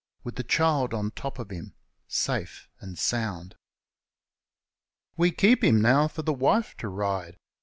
With the child strapped on to him safe and sound We keep him now for the wife to ride.